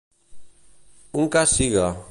Un cas siga!